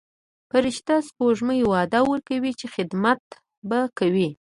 فرشته سپوږمۍ وعده ورکوي چې خدمت به کوي.